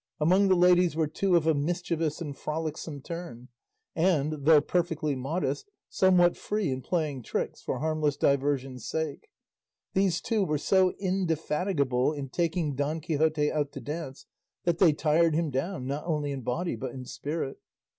Among the ladies were two of a mischievous and frolicsome turn, and, though perfectly modest, somewhat free in playing tricks for harmless diversion's sake. These two were so indefatigable in taking Don Quixote out to dance that they tired him down, not only in body but in spirit.